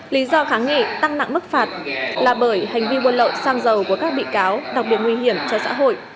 lý do kháng nghị tăng nặng mức phạt là bởi hành vi buôn lậu xăng dầu của các bị cáo đặc biệt nguy hiểm cho xã hội